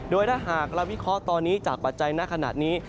โดยถ้าหากเราวิเคราะห์ตอนนี้จากปัจจัยณขณะนี้